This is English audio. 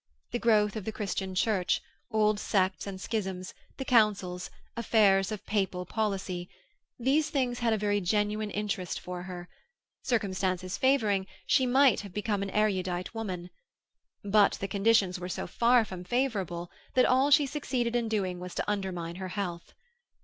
The growth of the Christian Church, old sects and schisms, the Councils, affairs of Papal policy—these things had a very genuine interest for her; circumstances favouring, she might have become an erudite woman; But the conditions were so far from favourable that all she succeeded in doing was to undermine her health.